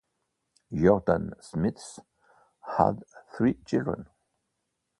Jordan-Smith had three children.